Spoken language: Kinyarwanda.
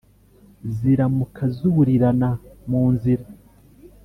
ziramuka zurirana mu nzira.